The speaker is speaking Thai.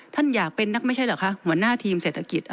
ท่านอยากเป็นนักไม่ใช่หรือ